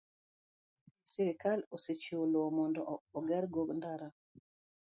sirkal osechiwo lowo mondo ogergo ndara.